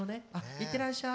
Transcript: いってらっしゃい。